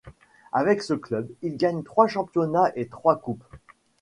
Avec ce club, il gagne trois championnats et trois coupes.